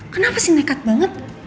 kenapa sih nekat banget